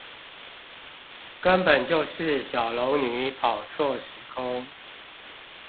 根本就是小龍女跑錯時空